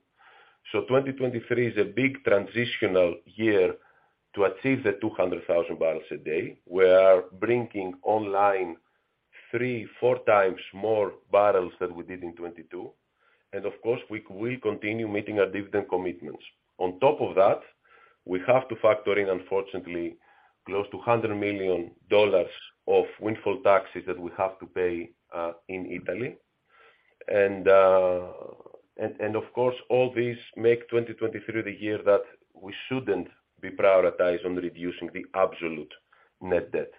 2023 is a big transitional year to achieve the 200,000 barrels a day. We are bringing online 3, 4 times more barrels than we did in 2022. Of course, we continue meeting our dividend commitments. On top of that, we have to factor in, unfortunately, close to $100 million of windfall taxes that we have to pay in Italy. Of course, all these make 2023 the year that we shouldn't be prioritize on reducing the absolute net debt.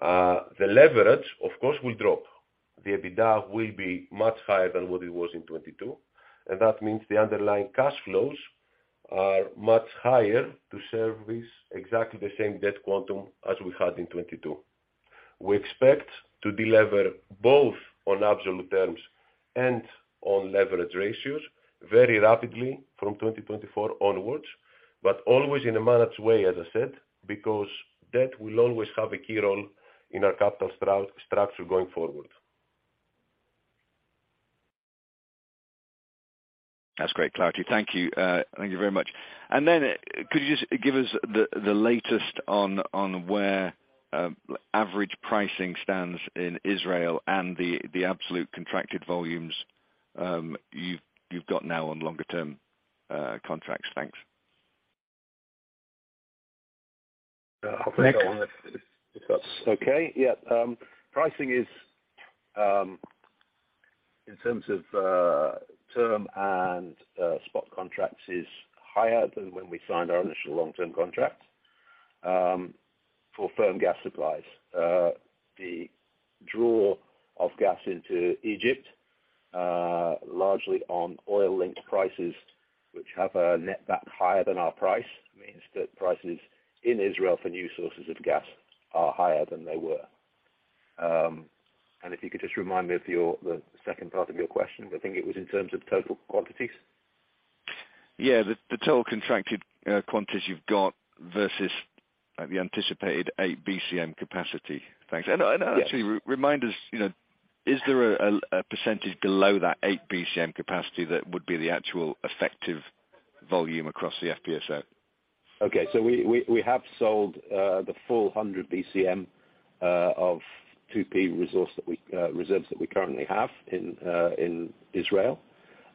The leverage, of course, will drop. The EBITDA will be much higher than what it was in 2022. That means the underlying cash flows are much higher to service exactly the same debt quantum as we had in 2022. We expect to delever both on absolute terms and on leverage ratios very rapidly from 2024 onwards, always in a managed way, as I said, because debt will always have a key role in our capital structure going forward. That's great clarity. Thank you. Thank you very much. Could you just give us the latest on where average pricing stands in Israel and the absolute contracted volumes you've got now on longer term contracts? Thanks. Nick? I'll take that one if that's okay. Yeah. Pricing is in terms of term and spot contracts is higher than when we signed our initial long-term contract for firm gas supplies. The draw of gas into Egypt, largely on oil-linked prices, which have a net back higher than our price, means that prices in Israel for new sources of gas are higher than they were. If you could just remind me of your the second part of your question? I think it was in terms of total quantities. Yeah. The total contracted quantities you've got versus the anticipated 8 BCM capacity. Thanks. Yes. Actually remind us, is there a percentage below that 8 BCM capacity that would be the actual effective volume across the FPSO? Okay. We have sold the full 100 BCM of 2P resource that we reserves that we currently have in Israel.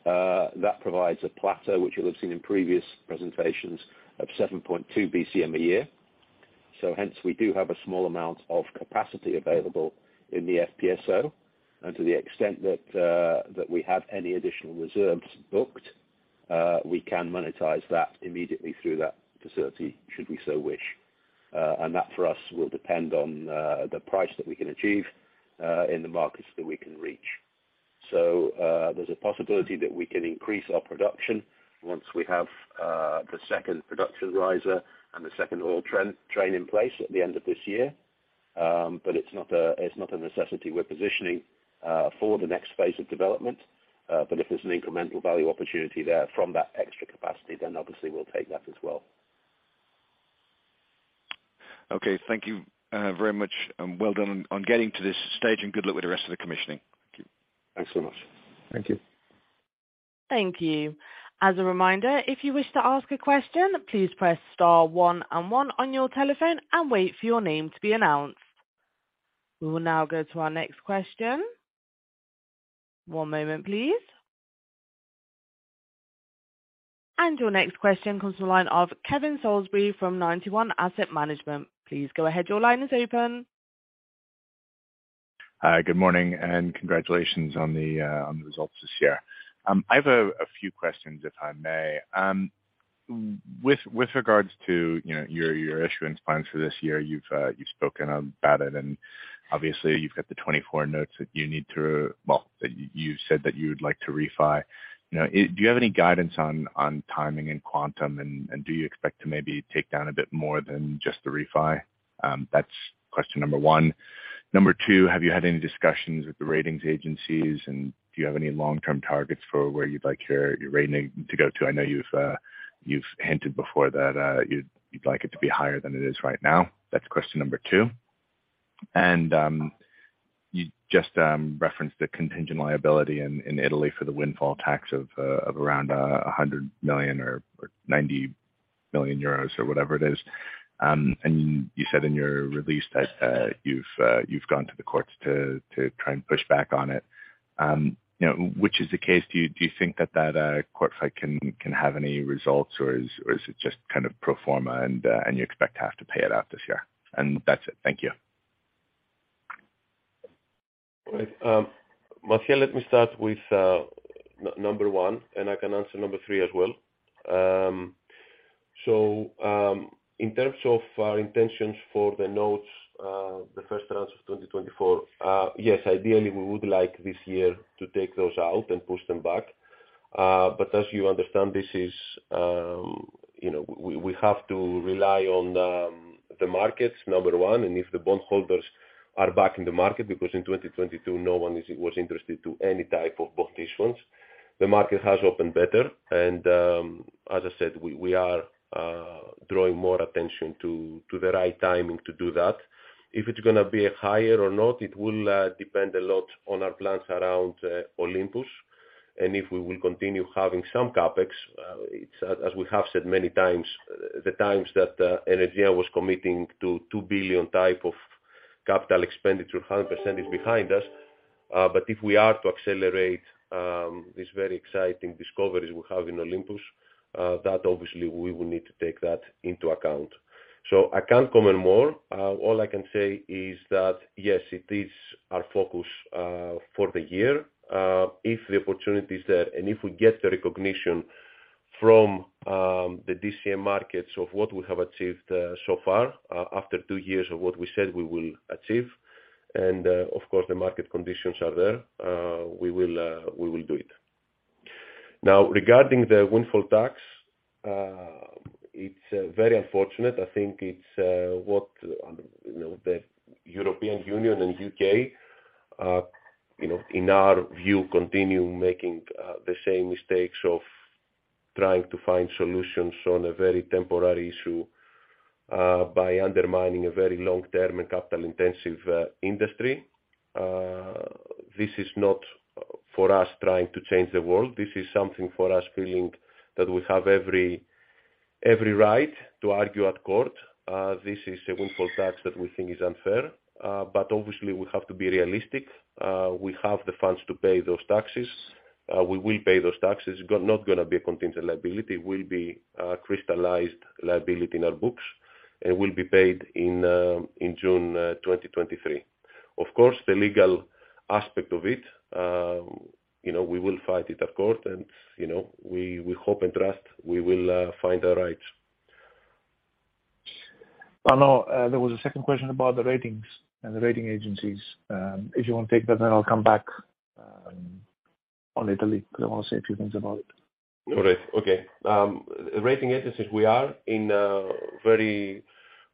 That provides a plateau, which you'll have seen in previous presentations of 7.2 BCM a year. Hence we do have a small amount of capacity available in the FPSO. To the extent that we have any additional reserves booked, we can monetize that immediately through that facility, should we so wish. That for us will depend on the price that we can achieve in the markets that we can reach. There's a possibility that we can increase our production once we have the second production riser and the second oil train in place at the end of this year. It's not a, it's not a necessity we're positioning for the next phase of development, but if there's an incremental value opportunity there from that extra capacity, then obviously we'll take that as well. Thank you, very much and well done on getting to this stage and good luck with the rest of the commissioning. Thank you. Thanks so much. Thank you. Thank you. As a reminder, if you wish to ask a question, please press *1 and 1 on your telephone and wait for your name to be announced. We will now go to our next question. One moment, please. Your next question comes from the line of Kevan Salisbury from Ninety One Asset Management. Please go ahead. Your line is open. Hi, good morning. Congratulations on the results this year. I have a few questions if I may. With regards to your issuance plans for this year, you've spoken about it and obviously you've got the 24 notes that you need to well, that you said that you'd like to refi. Do you have any guidance on timing and quantum and do you expect to maybe take down a bit more than just the refi? That's question number 1. Number 2, have you had any discussions with the ratings agencies? Do you have any long-term targets for where you'd like your rating to go to? I know you've hinted before that you'd like it to be higher than it is right now. That's question number 2. You just referenced the contingent liability in Italy for the windfall tax of around 100 million or 90 million euros or whatever it is. You said in your release that you've gone to the courts to try and push back on it. Which is the case, do you think that that court fight can have any results, or is it just kind of pro forma and you expect to have to pay it out this year? That's it. Thank you. All right. Mathios, let me start with number 1, and I can answer number 3 as well. In terms of our intentions for the notes, the first rounds of 2024, yes, ideally, we would like this year to take those out and push them back. As you understand, this is, we have to rely on the markets, number 1, and if the bondholders are back in the market, because in 2022, no one was interested to any type of bond issuance. The market has opened better. As I said, we are drawing more attention to the right timing to do that. If it's gonna be higher or not, it will depend a lot on our plans around Olympus. If we will continue having some CapEx, it's, as we have said many times, the times that Energean was committing to $2 billion type of capital expenditure, 100% is behind us. If we are to accelerate these very exciting discoveries we have in Olympus, that obviously we will need to take that into account. I can't comment more. All I can say is that, yes, it is our focus for the year. If the opportunity is there, and if we get the recognition from the DCM markets of what we have achieved so far, after 2 years of what we said we will achieve, and, of course, the market conditions are there, we will do it. Regarding the windfall tax, it's very unfortunate. I think it's, what the European Union and UK in our view, continue making the same mistakes of trying to find solutions on a very temporary issue by undermining a very long-term and capital intensive industry. This is not for us trying to change the world. This is something for us feeling that we have every right to argue at court. This is a windfall tax that we think is unfair, but obviously we have to be realistic. We have the funds to pay those taxes. We will pay those taxes. Not gonna be a contingent liability, will be a crystallized liability in our books, and will be paid in June 2023. Of course, the legal aspect of it we will fight it at court and we hope and trust we will find our rights. I know, there was a second question about the ratings and the rating agencies. If you want to take that, I'll come back on Italy, 'cause I wanna say a few things about it. All right. Okay. Rating agencies, we are in very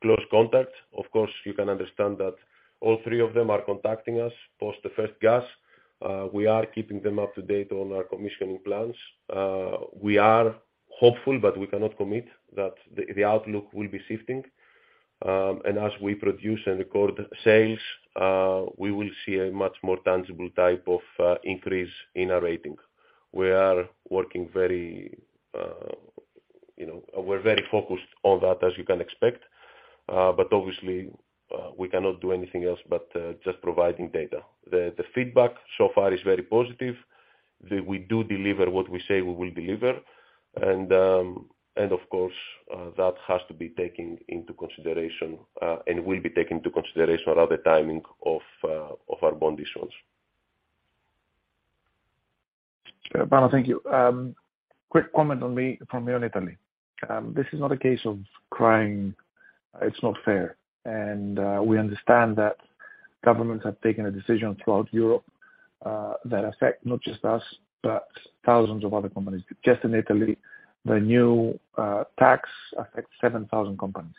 close contact. Of course, you can understand that all three of them are contacting us post the first gas. We are keeping them up to date on our commissioning plans. We are hopeful, but we cannot commit that the outlook will be shifting. As we produce and record sales, we will see a much more tangible type of increase in our rating. We are working very. We're very focused on that, as you can expect. Obviously, we cannot do anything else, but just providing data. The feedback so far is very positive. We do deliver what we say we will deliver. Of course, that has to be taken into consideration, and will be taken into consideration around the timing of our bond issuance. Pano, thank you. Quick comment from me on Italy. This is not a case of crying, it's not fair. We understand that governments have taken a decision throughout Europe that affect not just us, but thousands of other companies. Just in Italy, the new tax affects 7,000 companies.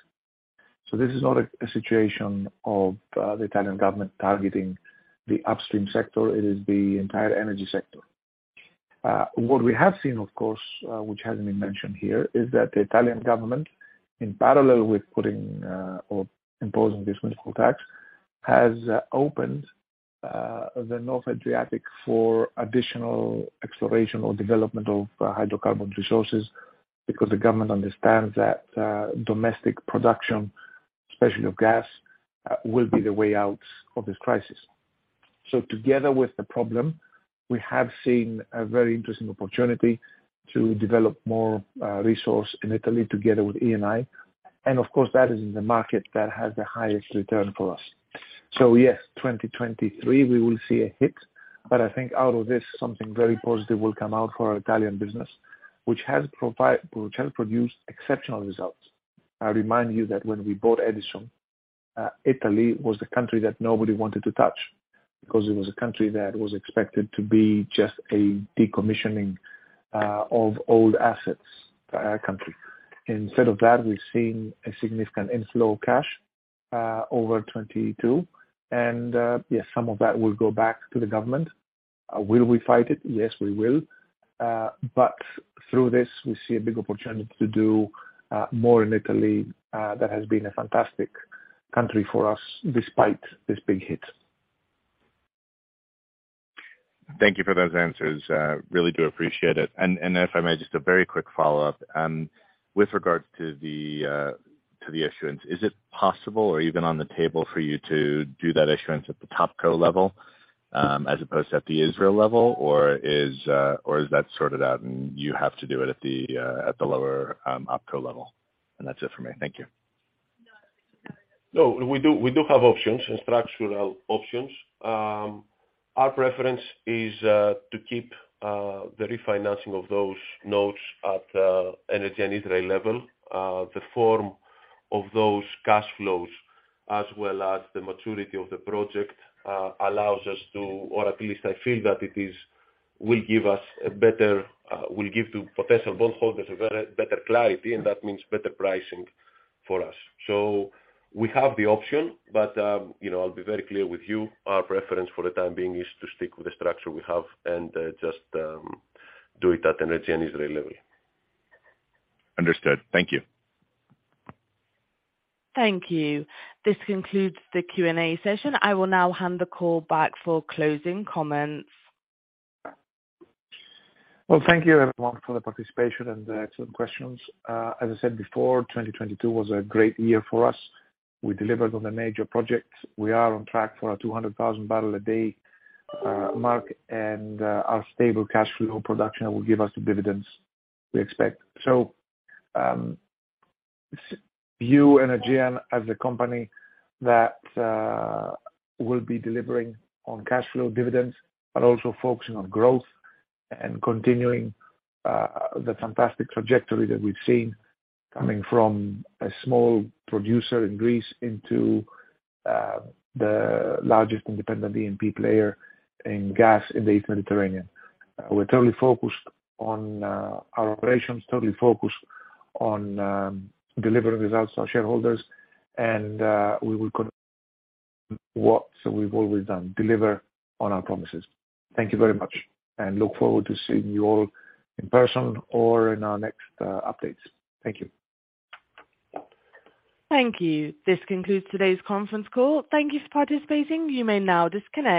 This is not a situation of the Italian government targeting the upstream sector. It is the entire energy sector. What we have seen, of course, which hasn't been mentioned here, is that the Italian government, in parallel with putting or imposing this windfall tax, has opened the North Adriatic for additional exploration or development of hydrocarbons resources, because the government understands that domestic production, especially of gas, will be the way out of this crisis. Together with the problem, we have seen a very interesting opportunity to develop more resource in Italy together with Eni. Of course, that is in the market that has the highest return for us. Yes, 2023, we will see a hit. I think out of this, something very positive will come out for our Italian business, which has produced exceptional results. I remind you that when we bought Edison, Italy was the country that nobody wanted to touch, because it was a country that was expected to be just a decommissioning of old assets country. Instead of that, we've seen a significant inflow of cash over 2022. Yes, some of that will go back to the government. Will we fight it? Yes, we will. Through this, we see a big opportunity to do more in Italy, that has been a fantastic country for us despite this big hit. Thank you for those answers. Really do appreciate it. If I may, just a very quick follow-up. With regards to the issuance, is it possible or even on the table for you to do that issuance at the top co level, as opposed to at the Israel level? Or is that sorted out and you have to do it at the lower op co level? That's it for me. Thank you. No, we do have options, structural options. Our preference is to keep the refinancing of those notes at Energean Israel level. The form of those cash flows, as well as the maturity of the project allows us to, or at least I feel that it is, will give us a better, will give to potential bondholders better clarity, and that means better pricing for us. We have the option, but I'll be very clear with you. Our preference for the time being is to stick with the structure we have and just do it at Energean Israel level. Understood. Thank you. Thank you. This concludes the Q&A session. I will now hand the call back for closing comments. Well, thank you everyone for the participation and to the questions. As I said before, 2022 was a great year for us. We delivered on the major projects. We are on track for our 200,000 barrel a day mark, and our stable cash flow production will give us the dividends we expect. View Energean as a company that will be delivering on cash flow dividends, but also focusing on growth and continuing the fantastic trajectory that we've seen coming from a small producer in Greece into the largest independent E&P player in gas in the East Mediterranean. We're totally focused on our operations, totally focused on delivering results to our shareholders, and we will what we've always done, deliver on our promises. Thank you very much, and look forward to seeing you all in person or in our next updates. Thank you. Thank you. This concludes today's conference call. Thank you for participating. You may now disconnect.